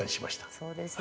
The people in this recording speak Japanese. そうですね。